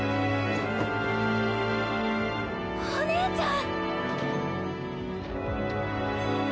お姉ちゃん！